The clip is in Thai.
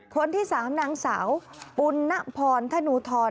คนที่๓นางสาวปุณนพรธนูทร